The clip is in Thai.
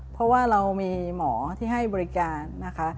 เพราะว่าเรามีหมอที่ให้บริการนะคะ